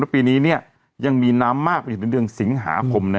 ในปีนี้เนี่ยยังมีน้ำมากไปถึงเดือนสิงหาภมนะฮะ